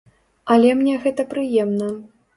Але мне гэта прыемна.